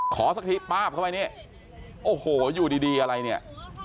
สักทีป๊าบเข้าไปนี่โอ้โหอยู่ดีอะไรเนี่ย